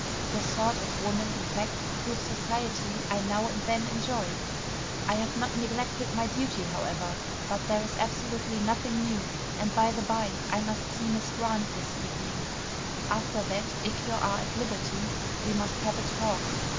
The sort of woman, in fact, whose society I now and then enjoy. I have not neglected my duty, however, but there is absolutely nothing new. And, by the bye, I must see Miss Grant this evening; after that, if you are at liberty, we must have a talk.